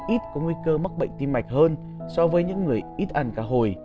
ít có nguy cơ mắc bệnh tim mạch hơn so với những người ít ăn cả hồi